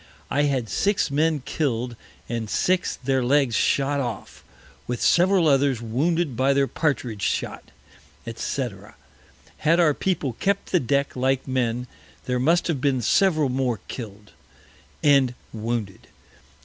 I had six Men kill'd, and six their Legs shot off, with several others wounded by their Partridge Shot, &c. Had our People kept the Deck like Men, there must have been several more kill'd and wounded.